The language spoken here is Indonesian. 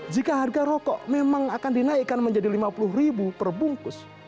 jika harga rokok memang akan dinaikkan menjadi rp lima puluh perbungkus